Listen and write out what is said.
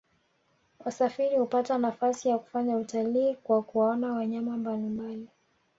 wasafiri hupata nafasi ya kufanya utalii kwa kuwaona wanyama mbalimbali